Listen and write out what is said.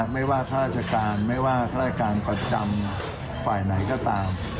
ไม่ว่าภาษาการไม่ว่าภาษาการประชำฝ่ายไหนก็ตาม